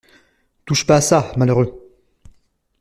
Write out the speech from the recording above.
Touche pas à ça, malheureux!